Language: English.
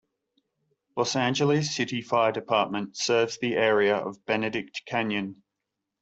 Los Angeles City Fire Department serves the area of Benedict Canyon.